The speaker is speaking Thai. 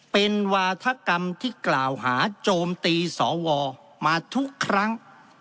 เป็นวาธกรรมที่กล่าวหาโจมตีสวมาทุกครั้ง